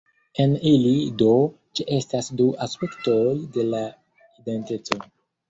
En ili, do, ĉeestas du aspektoj de la identeco.